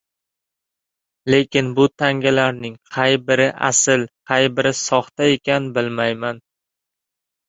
— lekin bu tangalarning qay biri asl, qay biri soxta ekan, bilmayman.